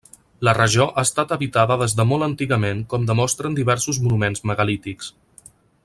La regió ha estat habitada des de molt antigament com demostren diversos monuments megalítics.